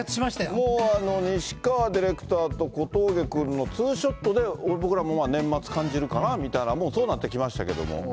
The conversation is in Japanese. もう西川ディレクターと小峠君のツーショットで、僕らも年末感じるかなみたいな、もうそうなってきましたけど。